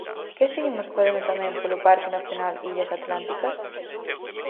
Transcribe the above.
¿Que seguimos facendo tamén polo Parque Nacional Illas Atlánticas?